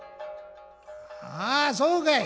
「ああそうかい！